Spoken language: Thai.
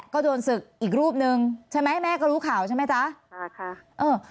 ก็โดนศึกอีกรูปหนึ่งใช่ไหมแม่ก็รู้ข่าวใช่ไหมจ๊ะค่ะเออ